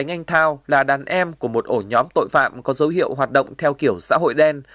anh thao là đàn em của một ổ nhóm tội phạm có dấu hiệu hoạt động theo kiểu xã hội đen